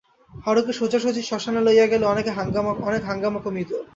হারুকে সোজাসুজি শ্মশানে লইয়া গেলে অনেক হাঙ্গামা কমিত।